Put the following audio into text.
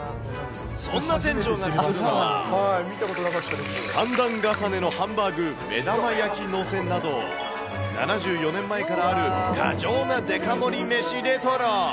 そんな店長が作るのは、３段重ねのハンバーグ目玉焼き載せなど、７４年前からある過剰なデカ盛り飯レトロ。